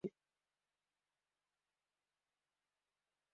Utahitaji moto wako wa kupikia viazi lishe